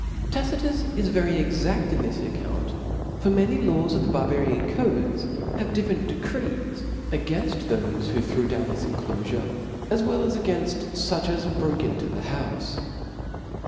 Tacitus is very exaft in this account ; f6r many laws of the (^) Barbarian codes have (') The different decrees againft thofe who threw down thfsr au,^^J,^^ enclofure, as well ai againft fuch as broke into the ^r